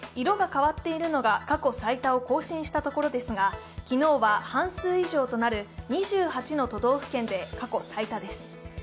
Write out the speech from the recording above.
色が変わっているのが過去最多を更新したところですが、昨日は半数以上となる２８の都道府県で過去最多です。